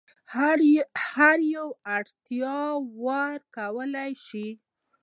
هر یوه اړتیاوو ورکړل شي.